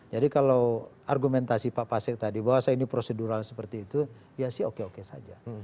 jadi kalau argumentasi pak pasek tadi bahwa ini prosedural seperti itu ya sih oke oke saja